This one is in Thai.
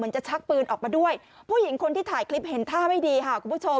คือเอาอย่างนี้คุณผู้ชมในคลิปเนี่ยบางคนไม่ได้ดูตั้งแต่ต้นเนี่ยอาจจะงงนะฮะ